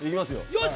よし！